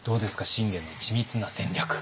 信玄の緻密な戦略。